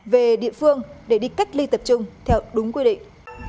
về địa phương để đi cách ly tập trung theo đúng quy định